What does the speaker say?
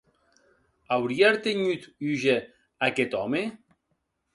Aurie artenhut húger aqueth òme?